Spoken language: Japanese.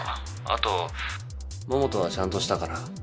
あと桃とはちゃんとしたから。